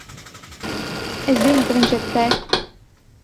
Es zinu, ka viņš ir te.